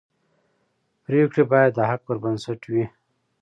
پرېکړې باید د حق پر بنسټ وي